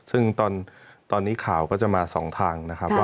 ซึ่งตอนนี้ข่าวก็จะมา๒ทางนะครับ